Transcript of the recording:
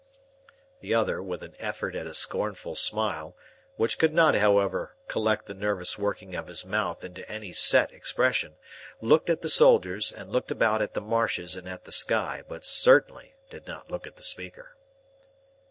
The other, with an effort at a scornful smile, which could not, however, collect the nervous working of his mouth into any set expression, looked at the soldiers, and looked about at the marshes and at the sky, but certainly did not look at the speaker.